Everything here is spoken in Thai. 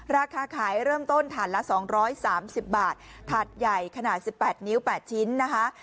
ราคาขายเริ่มต้นถาดละ๒๓๐บาทถาดใหญ่ขนาด๑๘นิ้ว๘ชิ้นนะคะ